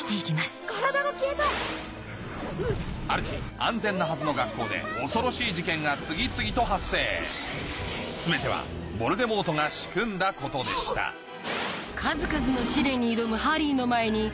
今夜の『金曜ロードショー』は幼い頃ある日安全なはずの学校で恐ろしい事件が次々と発生全てはヴォルデモートが仕組んだことでしたキャ！